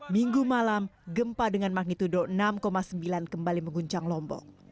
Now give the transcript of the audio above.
minggu malam gempa dengan magnitudo enam sembilan kembali mengguncang lombok